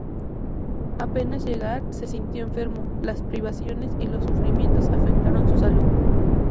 Apenas llegar, se sintió enfermo, las privaciones y los sufrimientos afectaron su salud.